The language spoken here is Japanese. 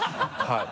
はい。